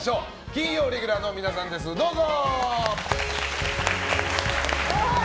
金曜レギュラーの皆さん、どうぞ。